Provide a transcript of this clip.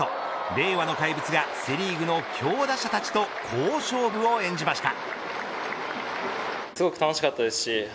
令和の怪物がセ・リーグの強打者たちと好勝負を演じました。